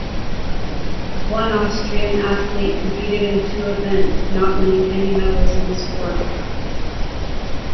One Austrian athlete competed in two events, not winning any medals in the sport.